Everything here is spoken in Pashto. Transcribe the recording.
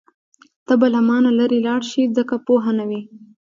ته به له مانه لرې لاړه شې ځکه پوه نه وې.